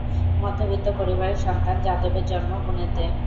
মধ্যবিত্ত পরিবারের সন্তান যাদবের জন্ম পুনেতে।